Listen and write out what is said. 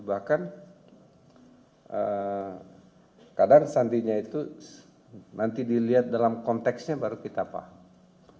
bahkan kadang sandinya itu nanti dilihat dalam konteksnya baru kita paham